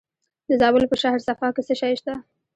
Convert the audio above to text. د زابل په شهر صفا کې څه شی شته؟